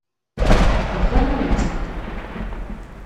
Bḍan-awen-tt-id.